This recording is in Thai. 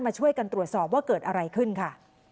มาช่วยกันตรวจสอบว่าเกิดอะไรขึ้นค่ะ